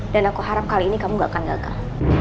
dan aku harap kali ini kamu gak akan gagal